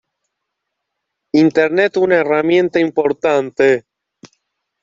Internet una herramienta importante.